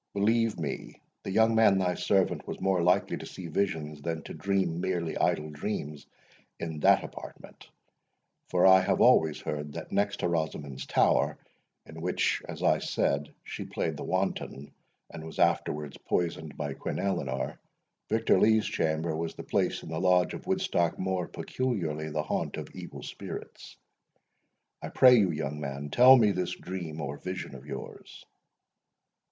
"Believe me, the young man, thy servant, was more likely to see visions than to dream merely idle dreams in that apartment; for I have always heard, that, next to Rosamond's Tower, in which, as I said, she played the wanton, and was afterwards poisoned by Queen Eleanor, Victor Lee's chamber was the place in the Lodge of Woodstock more peculiarly the haunt of evil spirits.—I pray you, young man, tell me this dream or vision of yours."